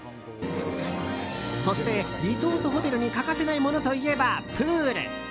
そしてリゾートホテルに欠かせないものといえばプール。